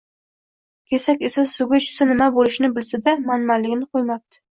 Kesak esa suvga tushsa nima bo‘lishini bilsa-da, manmanligini qo‘ymabdi